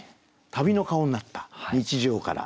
旅の顔になった日常から。